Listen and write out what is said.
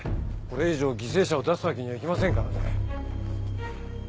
これ以上犠牲者を出すわけにはいきませんからね。